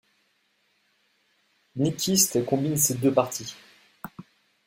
Nyquist combine ces deux parties.